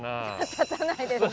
建たないですね。